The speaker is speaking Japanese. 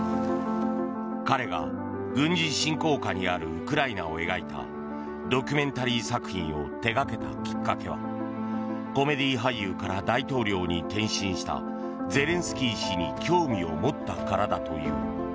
彼が、軍事侵攻下にあるウクライナを描いたドキュメンタリー作品を手掛けたきっかけはコメディー俳優から大統領に転身したゼレンスキー氏に興味を持ったからだという。